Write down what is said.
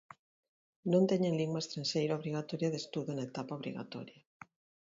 Non teñen lingua estranxeira obrigatoria de estudo na etapa obrigatoria.